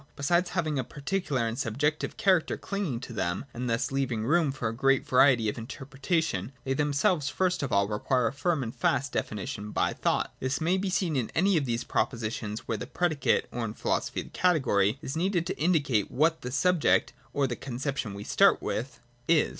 Besides having a particular and subjective character clinging to them, and thus leaving room for great variety of interpreta tion, they themselves first of all require a firm and fast definition by thought. This may be seen in any of these propositions where the predicate, or in philo sophy the category, is needed to indicate what the sub ject, or the conception we start with, is.